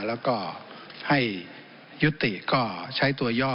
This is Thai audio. แล้วก็ให้ยุติก็ใช้ตัวย่อ